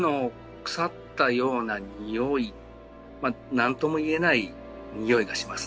なんとも言えないにおいがしますね。